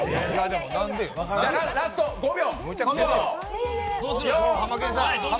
ラスト５秒。